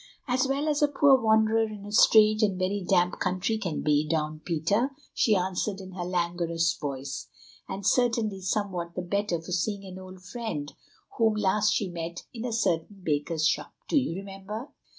"As well as a poor wanderer in a strange and very damp country can be, Don Peter," she answered in her languorous voice, "and certainly somewhat the better for seeing an old friend whom last she met in a certain baker's shop. Do you remember?"